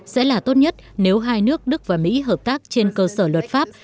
sẽ là tốt nhất nếu hai nước đức và mỹ hợp tác trên cơ sở luật pháp